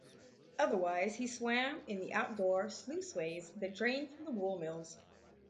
Otherwise, he swam in the outdoor sluiceways that drained from the wool mills.